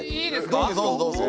どうぞどうぞどうぞ。